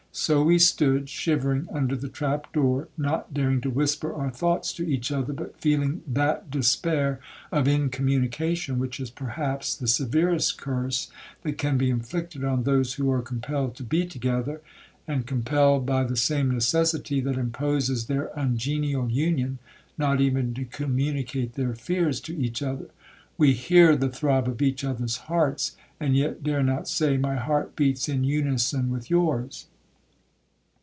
So we stood, shivering under the trap door, not daring to whisper our thoughts to each other, but feeling that despair of incommunication which is perhaps the severest curse that can be inflicted on those who are compelled to be together, and compelled, by the same necessity that imposes their ungenial union, not even to communicate their fears to each other. We hear the throb of each others hearts, and yet dare not say, 'My heart beats in unison with yours.'